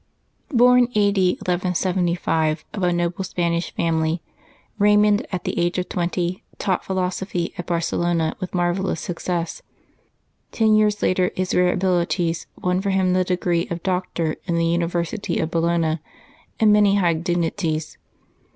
©CRN A. D. 1175, of a noble Spanish family, Eaymund, at the age of twenty, taught philosophy at Barce lona with marvellous success. Ten years later his rare abilities won for him the degree of Doctor in the Uni versity of Bologna, and many high dignities.